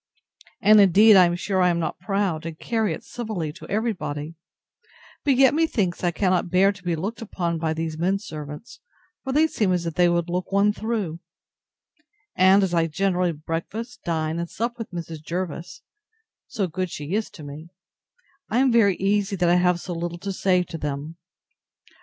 And indeed I am sure I am not proud, and carry it civilly to every body; but yet, methinks, I cannot bear to be looked upon by these men servants, for they seem as if they would look one through; and, as I generally breakfast, dine, and sup, with Mrs. Jervis, (so good she is to me,) I am very easy that I have so little to say to them.